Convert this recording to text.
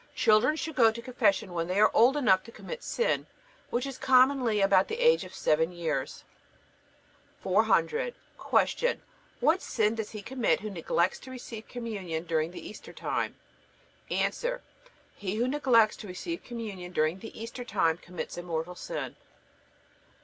Children should go to Confession when they are old enough to commit sin, which is commonly about the age of seven years. 400. Q. What sin does he commit who neglects to receive Communion during the Easter time? A. He who neglects to receive Communion during the Easter time commits a mortal sin.